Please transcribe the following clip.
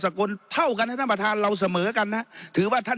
กลเท่ากันนะท่านประธานเราเสมอกันนะถือว่าท่าน